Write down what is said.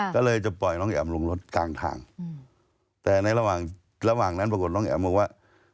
ก็เลยจะปล่อยน้องแอ๋มลงรถกลางทางแต่ในระหว่างระหว่างนั้นปรากฏน้องแอ๋มบอกว่า